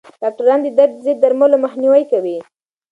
ډاکټران د درد ضد درملو مخنیوی کوي.